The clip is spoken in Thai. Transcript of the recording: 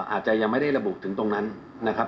อาจจะยังไม่ได้ระบุถึงตรงนั้นนะครับ